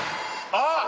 あっ！？